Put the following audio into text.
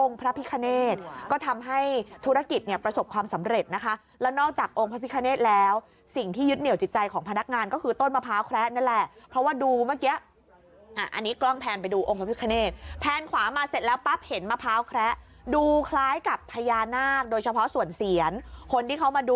พระพิคเนธก็ทำให้ธุรกิจเนี่ยประสบความสำเร็จนะคะแล้วนอกจากองค์พระพิคเนธแล้วสิ่งที่ยึดเหนียวจิตใจของพนักงานก็คือต้นมะพร้าวแคระนั่นแหละเพราะว่าดูเมื่อกี้อันนี้กล้องแทนไปดูองค์พระพิคเนตแทนขวามาเสร็จแล้วปั๊บเห็นมะพร้าวแคระดูคล้ายกับพญานาคโดยเฉพาะส่วนเสียนคนที่เขามาดู